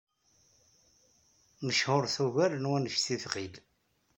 Mechuṛet ugar n wanect ay tɣil.